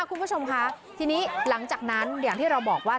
คุณผู้ชมค่ะทีนี้หลังจากนั้นอย่างที่เราบอกว่า